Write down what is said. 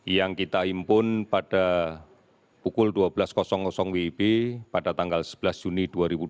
yang kita impun pada pukul dua belas wib pada tanggal sebelas juni dua ribu dua puluh